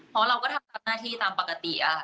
เพราะว่าเราก็ทำหน้าที่ตามปกติอะค่ะ